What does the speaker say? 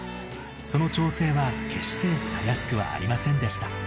その調整は決してたやすくはありませんでした。